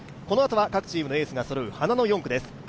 このあとは各チームのエースがそろう花の４区です。